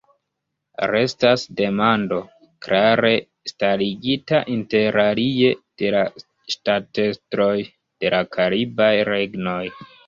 Restas demando klare starigita, interalie, de la ŝtatestroj de la karibaj regnoj.